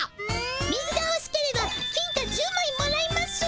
水がほしければ金貨１０まいもらいますぅ。